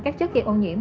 các chất gây ô nhiễm